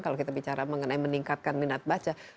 kalau kita bicara mengenai meningkatkan minat baca